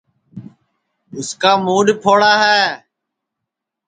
اُس کا موڈؔ پھوڑا ہے